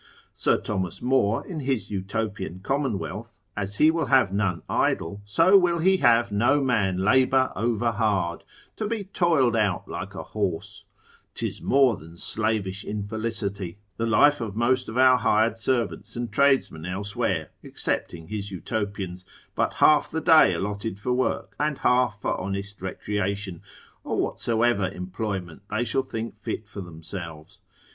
Sir Thomas More, in his Utopian Commonwealth, as he will have none idle, so will he have no man labour over hard, to be toiled out like a horse, 'tis more than slavish infelicity, the life of most of our hired servants and tradesmen elsewhere (excepting his Utopians) but half the day allotted for work, and half for honest recreation, or whatsoever employment they shall think fit for themselves.